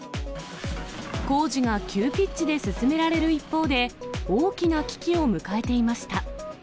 工事が急ピッチで進められる一方で、大きな危機を迎えていました。